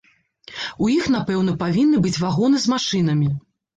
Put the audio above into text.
У іх напэўна павінны быць вагоны з машынамі.